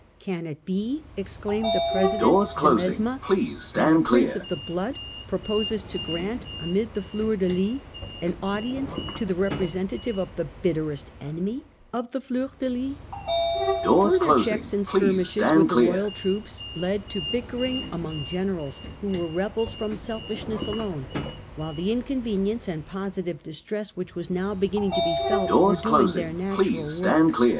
' Can it be,* exclaimed the president de Mesmes, ' that a Prince of the blood proposes to grant, amid the fleurs de lis , an audience to the representative of the bitterest enemy of the fleur de lis? f Further checks in skirmishes with the royal troops led to bickerings among generals who were rebels Eff t fth fr° m selfishness alone, while the inconvenience Scecutionof and positive distress which were now begin Charic* I. n j n g t0 f e it were doing their natural work.